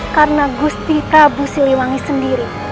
karena gusti prabu siliwangi sendiri